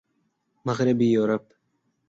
مغربی یورپ